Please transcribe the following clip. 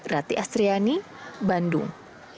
rati astriani bandung